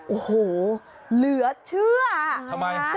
โอ้โหเหลือเชื่อทำไม